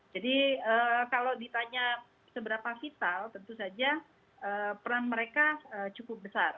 jadi kalau ditanya seberapa vital tentu saja peran mereka cukup besar